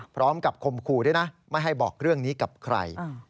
คมคู่ด้วยนะไม่ให้บอกเรื่องนี้กับใคร